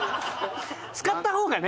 使った方がね。